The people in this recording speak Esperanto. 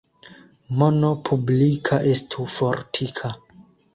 Mono publika estu fortika.